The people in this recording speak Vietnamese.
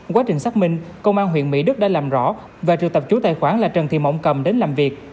quá trình xác minh công an huyện mỹ đức đã làm rõ và trừ tập chủ tài khoản là trần thị mộng cầm đến làm việc